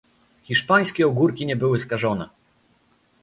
Hiszpańskie ogórki nie były skażone